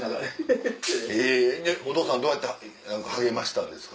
でお父さんどうやって励ましたんですか？